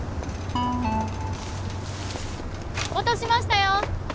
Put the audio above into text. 落としましたよ！